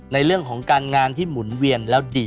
ในเรื่องของการงานที่หมุนเวียนแล้วดี